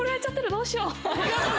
どうしよう？